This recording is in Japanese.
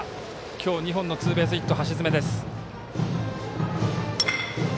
今日２本のツーベースヒット橋爪です。